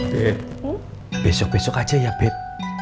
beb besok besok aja ya beb